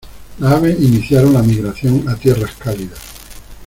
Las aves iniciaron la migración a tierras cálidas.